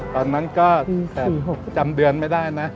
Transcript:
ตอนนั้นก็จำเดือนไม่ได้นะ